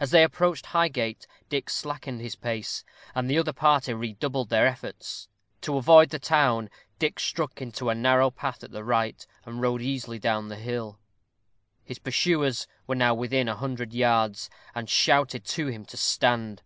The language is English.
As they approached Highgate, Dick slackened his pace, and the other party redoubled their efforts. To avoid the town, Dick struck into a narrow path at the right, and rode easily down the hill. His pursuers were now within a hundred yards, and shouted to him to stand.